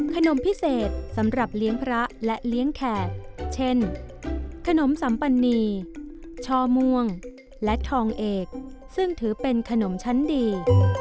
ขนมพิเศษสำหรับเลี้ยงพระและเลี้ยงแขกเช่นขนมสัมปนีช่อม่วงและทองเอกซึ่งถือเป็นขนมชั้นดี